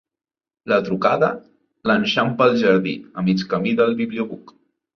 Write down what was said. La trucada l'enxampa al jardí, a mig camí del bibliobuc.